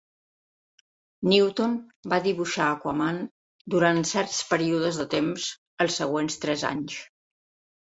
Newton va dibuixar Aquaman durant certs períodes de temps als següents tres anys.